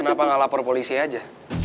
kenapa nggak lapor polisi aja